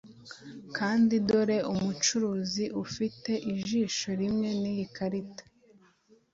Kandi dore umucuruzi ufite ijisho rimwe niyi karita